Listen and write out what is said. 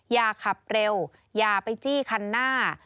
อย่าขับเร็วอย่าไปจี้คันหน้า